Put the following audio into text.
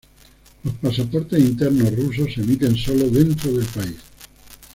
Los pasaportes internos rusos se emiten solo dentro del país.